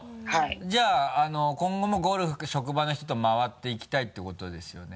じゃあ今後もゴルフ職場の人と回っていきたいってことですよね